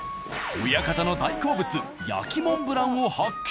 親方の大好物焼モンブランを発見。